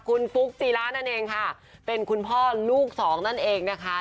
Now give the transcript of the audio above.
คุณฟุ๊กจีระนั่นเองค่ะเป็นคุณพ่อลูกสองนั่นเองนะคะ